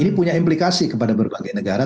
ini punya implikasi kepada berbagai negara